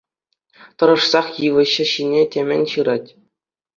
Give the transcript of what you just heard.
Тӑрӑшсах йывӑҫ ҫине темӗн ҫырать.